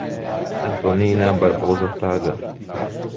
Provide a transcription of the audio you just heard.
Antonina Barbosa Fraga